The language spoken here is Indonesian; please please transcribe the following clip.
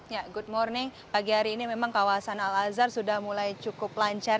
ya good morning pagi hari ini memang kawasan al azhar sudah mulai cukup lancar